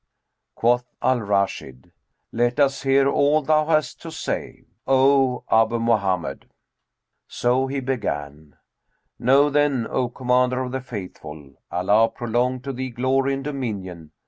Quoth Al Rashid, "Let us hear all thou hast to say, O Abu Mohammed!" So he began "Know then, O Commander of the Faithful (Allah prolong to thee glory and dominion!)